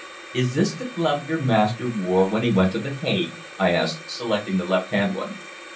"Is this the glove your master wore when he went to The Hague?" I asked, selecting the left hand one.